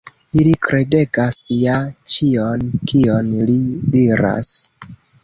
Ili kredegas ja ĉion, kion li diras.